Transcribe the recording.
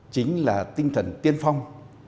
chính là tinh thần tiên phong